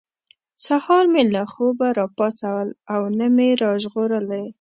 سهار مې له خوبه را پاڅول او نه مې را ژغورلي.